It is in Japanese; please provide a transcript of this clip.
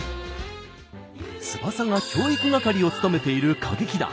翼が教育係を務めている歌劇団。